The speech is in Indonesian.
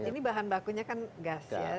ini bahan bakunya kan gas ya